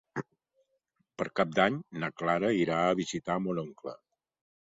Per Cap d'Any na Clara irà a visitar mon oncle.